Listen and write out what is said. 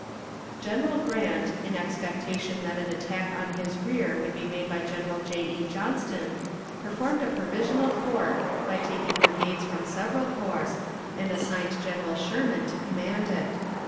General Grant, in expectation that an attack in his rear would be made by General J. E. Johnston, formed a provisional corps by taking brigades from several corps, and assigned General Sherman to command it.